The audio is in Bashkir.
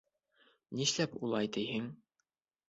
— Нишләп улай тиһең.